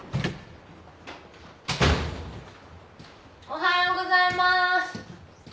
おはようございます。